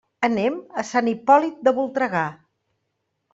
Anem a Sant Hipòlit de Voltregà.